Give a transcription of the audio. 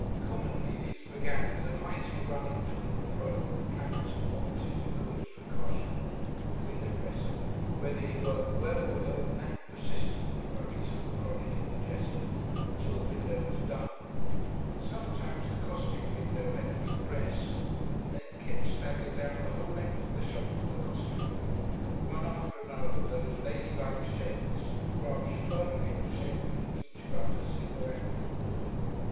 Commonly these began with a mighty running to and fro with planks and boxes and goods for Carshot, the window dresser, who, whether he worked well or ill, nagged persistently by reason of a chronic indigestion, until the window was done. Sometimes the costume window had to be dressed, and then Kipps staggered down the whole length of the shop from the costume room with one after another of those ladylike shapes grasped firmly, but shamefully, each about her single ankle of wood.